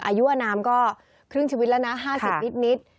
อายุอนามก็ครึ่งชีวิตแล้วนะ๕๐นิด